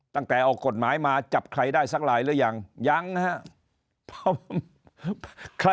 ตั้งแต่ออกกฎหมายมาจับใครได้สักหลายหรือยังยังครับ